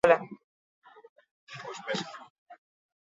Azken mendeko frantziar literatura.